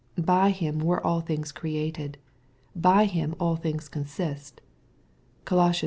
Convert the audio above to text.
" By him were all things created. By Him all things consist." (Col.